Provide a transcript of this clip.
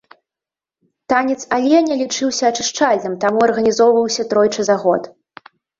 Танец аленя лічыўся ачышчальным, таму арганізоўваўся тройчы за год.